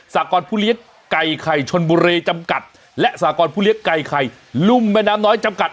สากรผู้เลี้ยงไก่ไข่ชนบุรีจำกัดและสากรผู้เลี้ยงไก่ไข่ลุ่มแม่น้ำน้อยจำกัด